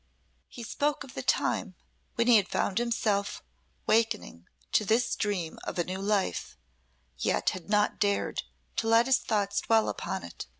He spoke of the time when he had found himself wakening to this dream of a new life, yet had not dared to let his thoughts dwell upon it.